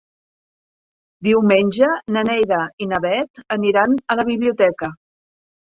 Diumenge na Neida i na Bet aniran a la biblioteca.